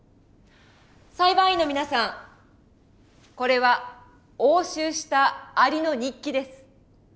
裁判員の皆さんこれは押収したアリの日記です。